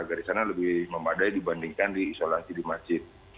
dari sana lebih memadai dibandingkan di isolasi di masjid